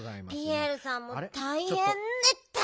ピエールさんもたいへんねっと。